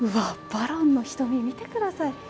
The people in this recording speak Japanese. バロンの瞳、見てください。